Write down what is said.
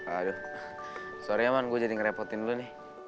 aduh sorry ya man gue jadi ngerepotin dulu nih